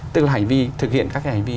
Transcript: tức là hành vi thực hiện các cái hành vi